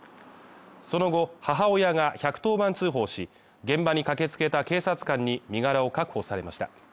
その後、母親が１１０番通報し、現場に駆け付けた警察官に身柄を確保されました。